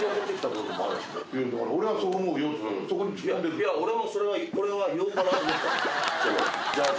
いや俺もそれは言おうかなと思ったの。